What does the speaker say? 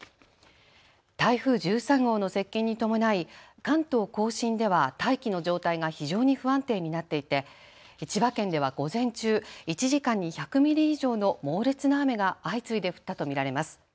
台風１３号の接近に伴い関東甲信では大気の状態が非常に不安定になっていて千葉県では午前中、１時間に１００ミリ以上の猛烈な雨が相次いで降ったと見られます。